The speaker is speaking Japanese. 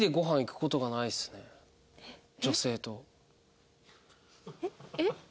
女性と。